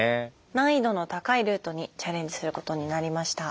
難易度の高いルートにチャレンジすることになりました。